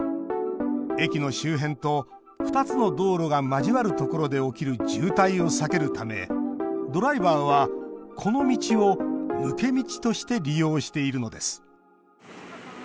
駅の周辺と２つの道路が交わるところで起きる渋滞を避けるためドライバーはこの道を抜け道として利用しているのです。